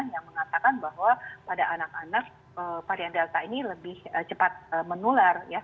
yang mengatakan bahwa pada anak anak varian delta ini lebih cepat menular ya